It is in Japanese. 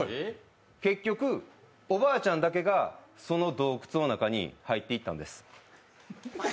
結局、おばあちゃんだけがその洞窟の中に入っていったんです。